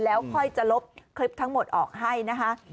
แล้วค่อยจะลบคลิปทั้งหมดออกให้นะคะ